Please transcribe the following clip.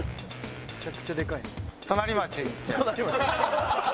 めちゃくちゃでかいな。